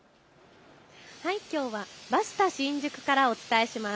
きょうはバスタ新宿からお伝えします。